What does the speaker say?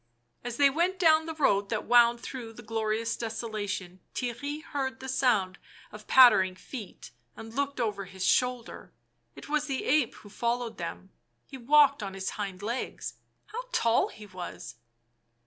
As they went down the road that wound through the glorious desolation Theirry heard the sound of patter ing feet, and looked over his shoulder. It was the ape who followed them; he walked on his hind legs ... how tall he was